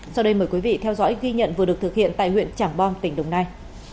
sau đây mời quý vị theo dõi ghi nhận vừa được thực hiện tại huyện trảng bom tỉnh đồng nai